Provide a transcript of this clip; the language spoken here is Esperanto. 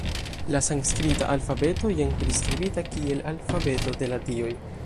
La sanskrita alfabeto, jen priskribita kiel “alfabeto de la Dioj”.